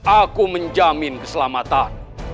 aku menjamin keselamatan